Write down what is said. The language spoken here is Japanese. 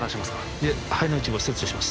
いえ肺の一部を切除します